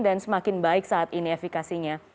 dan semakin baik saat ini efikasinya